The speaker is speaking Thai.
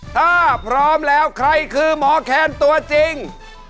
ถ้าพร้อมแล้วใครคือหมอแคนตัวจริง